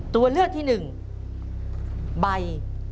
ตัวเลือกที่หนึ่งใบ